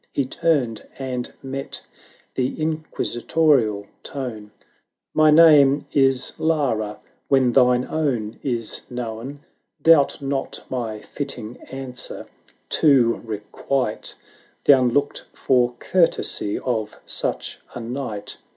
He turned, and met the inquisitorial tone — 431 "My name is Lara — when thine own is known. Doubt not my fitting answer to requite The unlooked for courtesy of such a knight.